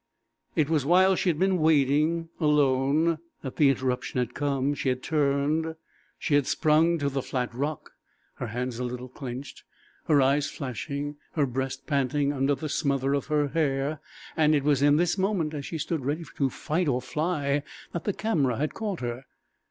It was while she had been wading alone that the interruption had come; she had turned; she had sprung to the flat rock, her hands a little clenched, her eyes flashing, her breast panting under the smother of her hair; and it was in this moment, as she stood ready to fight or fly that the camera had caught her.